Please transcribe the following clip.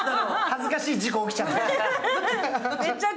恥ずかしい事故起きちゃった。